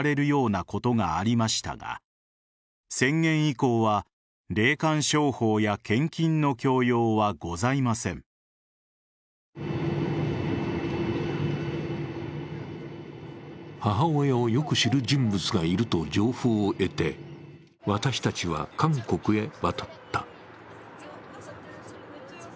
教団に見解を尋ねると母親をよく知る人物がいると情報を得て私たちは韓国へ渡った。